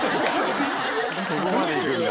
そこまでいくんだ。